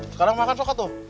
sekarang makan sok atu